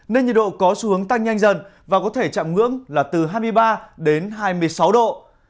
nên nhiệt độ có xu hướng tăng nhanh dần và có thể chạm ngưỡng là từ hai mươi ba đến hai mươi sáu độ